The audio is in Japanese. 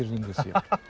ハハハッ。